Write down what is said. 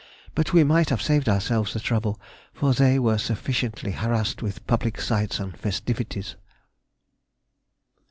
But we might have saved ourselves the trouble, for they were sufficiently harassed with public sights and festivities.